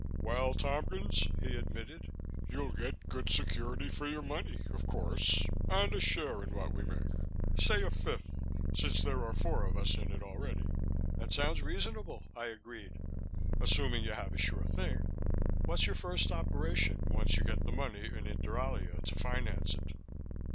"Well, Tompkins," he admitted. "You'll get good security for your money, of course, and a share in what we make. Say a fifth, since there are four of us in it already." "That sounds reasonable," I agreed, "assuming you have a sure thing. What's your first operation, once you get the money in Inter Alia to finance it?"